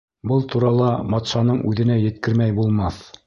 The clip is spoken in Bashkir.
Был турала батшаның үҙенә еткермәй булмаҫ.